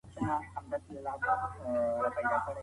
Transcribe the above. انتظار به د سهار کوو تر کومه